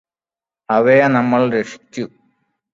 അവയെ നമ്മള് രക്ഷിച്ചു